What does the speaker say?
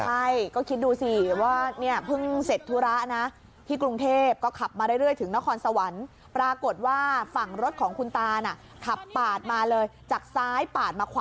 ใช่คิดดูสิว่าพึ่งเศษฐุระนะที่กรุงเทพ